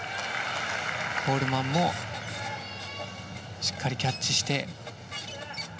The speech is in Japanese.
コールマンもしっかりキャッチして。